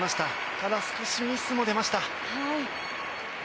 ただ、少しミスも出ました。